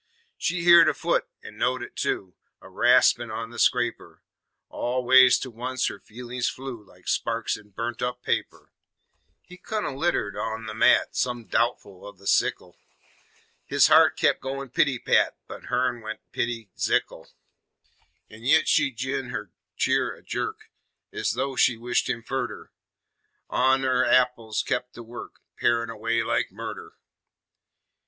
She heered a foot, an' knowed it tu, A raspin' on the scraper All ways to once her feelin's flew Like sparks in burnt up paper. He kin' o' l'itered on the mat, Some doubtfle o' the sekle; His heart kep' goin' pity pat, But hern went pity Zekle. An' yit she gin her cheer a jerk Ez though she wished him furder, An' on her apples kep' to work, Parin' away like murder.